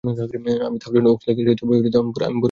আমি Thousand Oaks থেকে এসেছি, তবে আমি বড় হয়েছি টারাজানায়।